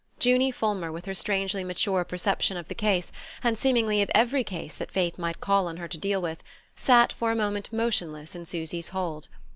Junie Fulmer, with her strangely mature perception of the case, and seemingly of every case that fate might call on her to deal with, sat for a moment motionless in Susy's hold.